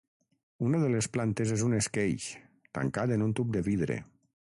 Una de les plantes és un esqueix, tancat en un tub de vidre.